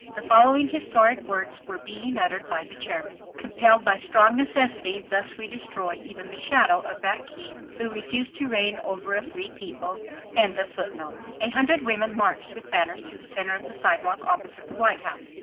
The following historic words being uttered by the chairman: "Compelled by strong necessity thus we destroy even the shadow of that king who refused to reign over a free people." A hundred women marched with banners to the center of the sidewalk opposite the White House.